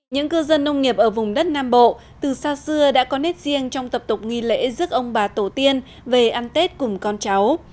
những cư dân nông nghiệp ở vùng đất nam bộ từ xa xưa đã có nét riêng trong tập tục nghi lễ rước ông bà tổ tiên về ăn tết cùng con cháu